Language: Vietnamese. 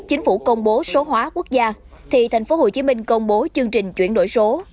chính phủ công bố số hóa quốc gia thì tp hcm công bố chương trình chuyển đổi số